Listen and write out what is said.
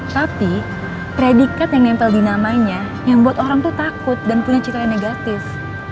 tapi predikat yang nempel di namanya yang buat orang tuh takut dan punya cita yang negatif